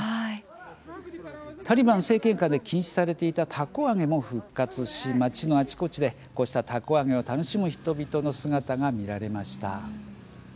タリバン政権下で禁止されていたたこ揚げも復活し街のあちこちでたこ揚げを楽しむ人の姿が見られました。